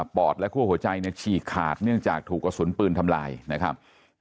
อดและคั่วหัวใจฉีกขาดเนื่องจากถูกกระสุนปืนทำลายนะครับ